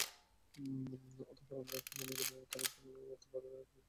অতঃপর আমরা একটি মনযিলে অবতরণ করলাম ও উপত্যকায় এক ব্যক্তিকে দেখতে পেলাম।